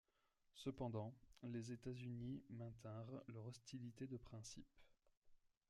Cependant, les États-Unis maintinrent leur hostilité de principe.